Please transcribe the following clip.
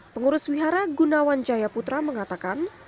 pengurus wihara gunawan jayaputra mengatakan